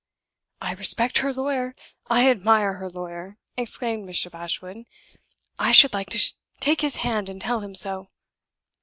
"I respect her lawyer! I admire her lawyer!" exclaimed Mr. Bashwood. "I should like to take his hand, and tell him so."